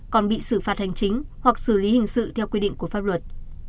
còn bị xử phạt hành chính hoặc xử lý hình sự theo quy định của pháp luật